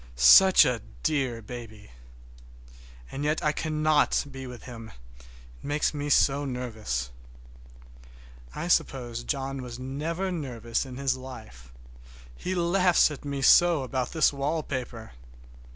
Such a dear baby! And yet I cannot be with him, it makes me so nervous. I suppose John never was nervous in his life. He laughs at me so about this wallpaper!